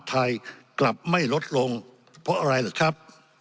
ไทยกลับไม่ลดลงเพราะอะไรหรือครับ